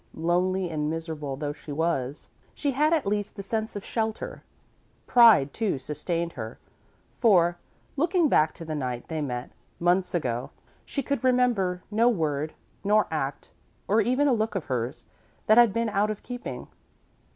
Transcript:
Lonely and miserable though she was, she had at least the sense of shelter. Pride, too, sustained her, for, looking back to the night they met, months ago, she could remember no word nor act, or even a look of hers that had been out of keeping.